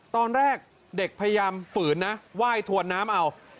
ตอนแรกเด็กพยายามว่ายถวดน้ำเอา